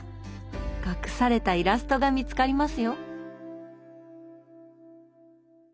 隠されたイラストが見つかりますよ。